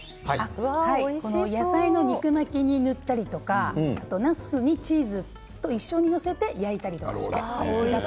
野菜の肉巻きに塗ったりなすにチーズと一緒に載せて焼いたりとか。